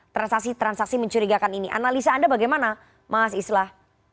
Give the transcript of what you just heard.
transaksi transaksi mencurigakan ini analisa anda bagaimana mas islah